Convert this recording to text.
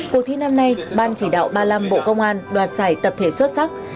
cuộc thi năm nay ban chỉ đạo ba mươi năm bộ công an đoạt giải tập thể xuất sắc